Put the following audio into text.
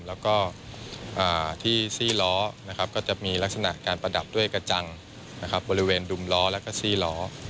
แล้วก็ที่ซี่ล้อนะครับก็จะมีลักษณะการประดับด้วยกระจังบริเวณดุมล้อแล้วก็ซี่ล้อ